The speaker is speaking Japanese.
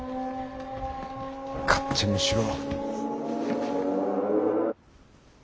勝手にしろ！